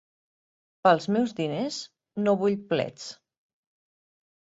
Pels meus diners no vull plets.